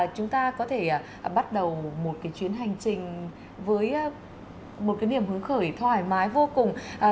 chúng ta có thể bắt đầu một chuyến hành trình với một niềm hướng khởi thoải mái vô cùng